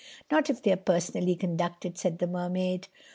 "Not if they're personally conducted," said the Mermaid.